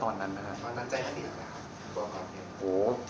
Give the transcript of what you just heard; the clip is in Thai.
ตอนนั้นใจหาดีหรือเปล่าครับตัวความความคิด